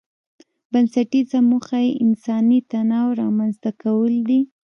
بنسټيزه موخه یې انساني تنوع رامنځته کول دي.